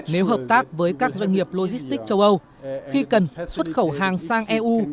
nếu hợp tác với các doanh nghiệp logistics châu âu khi cần xuất khẩu hàng sang eu